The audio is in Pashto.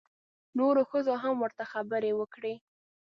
نورو ښځو هم ورته خبرې وکړې.